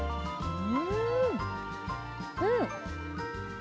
うん。